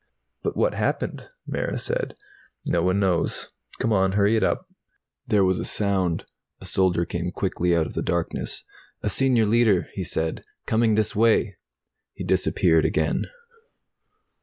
"But what happened?" Mara said. "No one knows. Come on, hurry it up!" There was a sound. A soldier came quickly out of the darkness. "A Senior Leiter," he said. "Coming this way." He disappeared again.